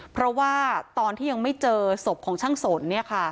เพราะว่าตอนที่ยังไม่เจอศพของช่างสน